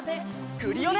クリオネ！